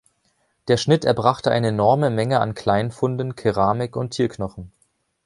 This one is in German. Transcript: Der Schnitt erbrachte eine enorme Menge an Kleinfunden, Keramik und Tierknochen.